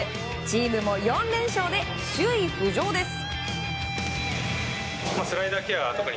チームも４連勝で首位浮上です。